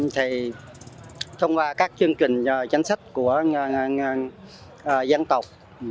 thì thông qua các chương trình chánh sách của dân tộc